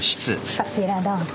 こちらどうぞ。